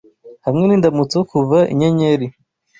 Hamwe n'indamutso kuva 'inyenyeri'